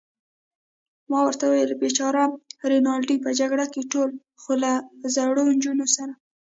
ما ورته وویل: بېچاره رینالډي، په جګړه کې ټول، خو له زړو نجونو سره.